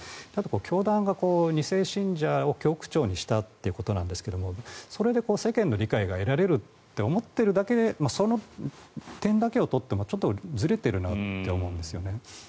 教団が２世信者を教区長にしたということなんですがそれで世間の理解が得られると思っているだけでその点だけを取ってもちょっとずれてるなと思うんですよね。